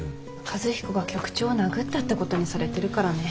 和彦が局長を殴ったってことにされてるからね。